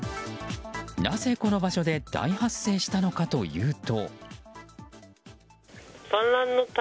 なぜこの場所で大発生したのかというと。